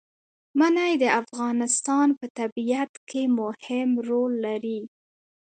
منی د افغانستان په طبیعت کې مهم رول لري.